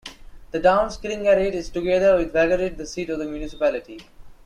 The town Skillingaryd is together with Vaggeryd the seat of the municipality.